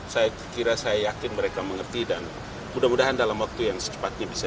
saya kira saya yakin mereka mengerti dan mudah mudahan dalam waktu yang secepatnya bisa